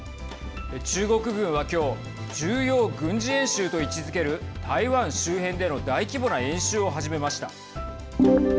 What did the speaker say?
中国軍は、今日重要軍事演習と位置づける台湾周辺での大規模な演習を始めました。